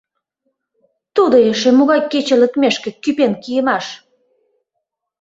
Тудо эше могай кече лекмешке кӱпен кийымаш?